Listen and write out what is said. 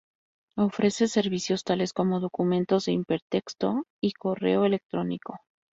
Ofrece servicios tales como documentos de hipertexto y correo electrónico.